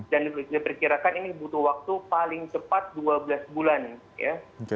dan diperkirakan ini butuh waktu paling cepat dua belas bulan ya